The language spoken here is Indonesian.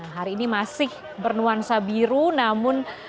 hari ini masih bernuansa biru namun